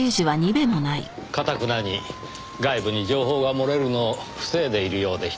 かたくなに外部に情報が漏れるのを防いでいるようでしたねぇ。